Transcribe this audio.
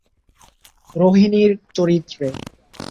রোহিণী র চরিত্রে।